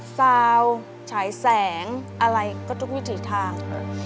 ซาวฉายแสงอะไรก็ทุกวิถีทาง